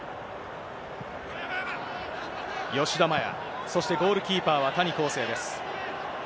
吉田麻也、そしてゴールキーパーは、谷晃生です。